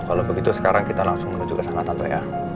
kalau begitu sekarang kita langsung menuju ke sana tato ya